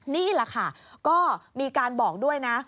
นี่แหละค่ะก็มีการบอกด้วยนะ